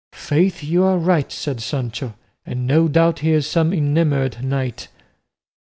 "Faith, you are right," said Sancho, "and no doubt he is some enamoured knight."